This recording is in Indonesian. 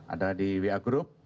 ada di wa group